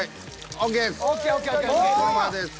ＯＫです。